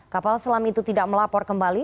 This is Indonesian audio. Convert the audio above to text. kapal selam itu tidak melapor kembali